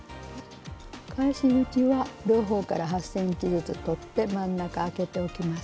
返し口は両方から８ｃｍずつ取って真ん中あけておきます。